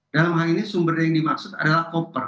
dalam hal ini sumber yang dimaksud adalah koper